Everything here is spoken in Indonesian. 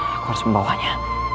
aku harus membawanya